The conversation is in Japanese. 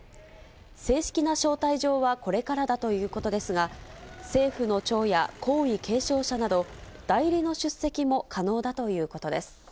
正式な招待状はこれからだということですが、政府の長や皇位継承者など、代理の出席も可能だということです。